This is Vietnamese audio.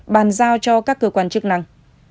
bàn giao cho các cơ quan chức năng